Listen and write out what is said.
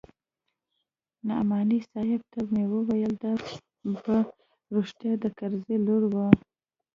نعماني صاحب ته مې وويل دا په رښتيا د کرزي لور وه.